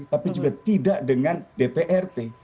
tapi juga tidak dengan dprp